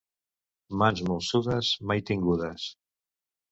Mans molsudes, mai tingudes.